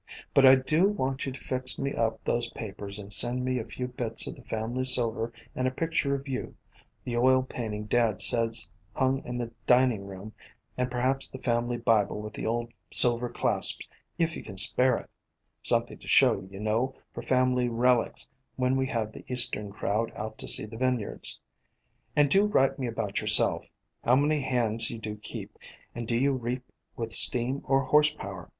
But I do want you to fix me up those papers and send me a few bits of the family silver and a picture of you, the oil painting dad says hung in the dining room, and perhaps the family Bible with the old silver clasps, if you can spare it, — something to show, you know, for family relics when we have the eastern crowd out to see the vineyards. And do write me about yourself. How many hands do you keep, and do you reap with steam or horse power